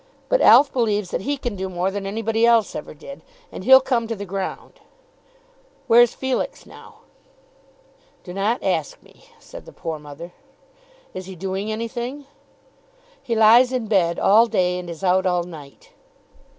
But Alf believes that he can do more than anybody else ever did, and he'll come to the ground. Where's Felix now?" "Do not ask me," said the poor mother. "Is he doing anything?" "He lies in bed all day, and is out all night."